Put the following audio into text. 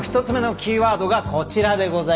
１つ目のキーワードがこちら。